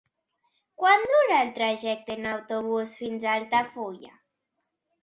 Quant dura el trajecte en autobús fins a Altafulla?